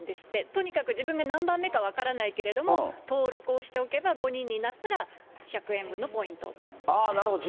とにかく自分が何番目か分からないけれども、登録をしておけば、５人になったら、ああ、なるほど。